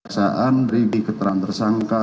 pihak penyidik keterangan tersangka